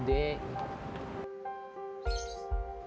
jadi itu yang paling penting